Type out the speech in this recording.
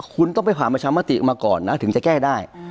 คุณต้องไปผ่านประชามติมาก่อนนะถึงจะแก้ได้